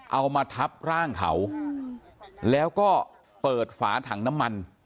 เอามาทับร่างเขาแล้วก็เปิดฝาถังน้ำมัน